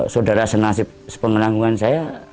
saudara senasib sepengenanggungan saya